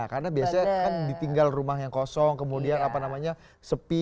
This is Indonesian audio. karena biasanya kan ditinggal rumah yang kosong kemudian apa namanya sepi